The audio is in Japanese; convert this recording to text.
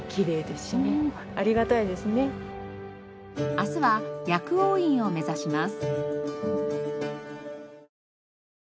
明日は薬王院を目指します。